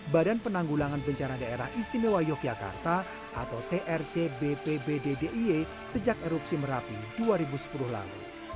badan penanggulangan bencana daerah istimewa yogyakarta atau trc bpbddiye sejak erupsi merapi dua ribu sepuluh lalu